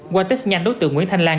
qua test nhanh đối tượng nguyễn thanh lan